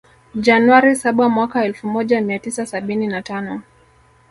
Januari saba Mwaka elfu moja mia tisa sabini na tano